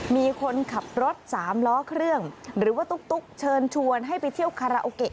มีคนขับรถสามล้อเครื่องหรือว่าตุ๊กเชิญชวนให้ไปเที่ยวคาราโอเกะ